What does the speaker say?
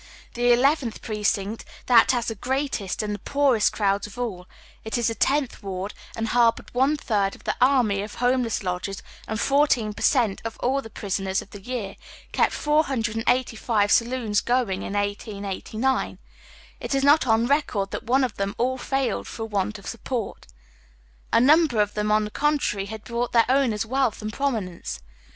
The Eleventh Precinct, that has the greatest and the poorest crowds of all — it is the Tenth Ward — and harbored one third of the army of Jiomeless lodgers and fourteen per cent, of all the prisoners of the year, kept 485 saloons going in 1889. It is not on record that one of them all failed for want of support. A number of them, on the contrary, had brought their owners wealth and prominence.